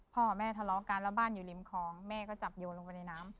พ่อแม่ทะเลาะกันแล้วบ้านอยู่ริมคลองแม่ก็จับโยนลงไปในน้ำ